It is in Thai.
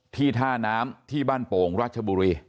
ท่าน้ำที่บ้านโป่งราชบุรี